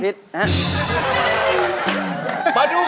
ใจจะขาดแล้วเอ้ย